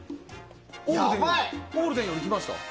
オールデンより来ました？